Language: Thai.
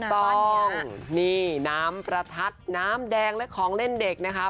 ถูกต้องนี่น้ำประทัดน้ำแดงและของเล่นเด็กนะคะ